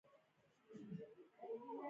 د اقلیت نظر اوریدل کیږي